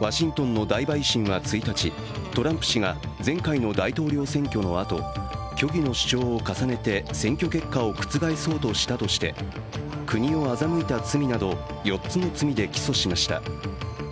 ワシントンの大陪審は１日、トランプ氏が前回の大統領選挙のあと、虚偽の主張を重ねて選挙結果を覆そうとしたとして国を欺いた罪など４つの罪で起訴しました。